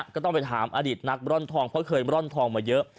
ก็ต้องไปถามอดีตนักร่อนทองเพราะเคยร่อนทองมาเยอะ